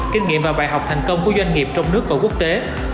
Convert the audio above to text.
kinh nghiệm và bài học thành công của doanh nghiệp trong nước và quốc tế